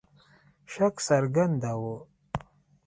شک څرګنداوه.